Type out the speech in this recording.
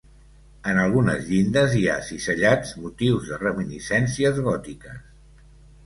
En algunes llindes hi ha cisellats motius de reminiscències gòtiques.